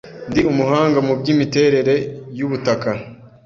“Ndi umuhanga mu by’imiterere y’ubutaka